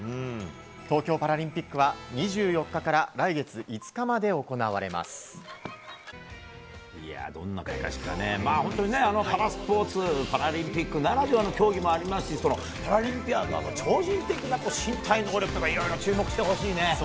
東京パラリンピックは２４日から来月５日までパラスポーツ、パラリンピックならではの競技もありますしパラリンピアなんか超人的な身体能力いろいろ注目してほしいね。